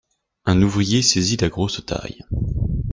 Un ouvrier saisit la grosse taille.